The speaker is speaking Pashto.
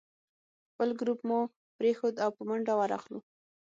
خپل ګروپ مو پرېښود او په منډه ورغلو.